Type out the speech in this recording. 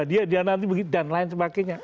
dia dia nanti begitu dan lain sebagainya